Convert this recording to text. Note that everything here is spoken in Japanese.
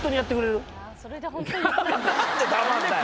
何で黙るんだよ